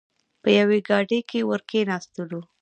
په یوې ګاډۍ کې ور کېناستلو.